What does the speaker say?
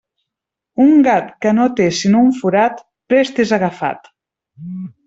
Un gat que no té sinó un forat, prest és agafat.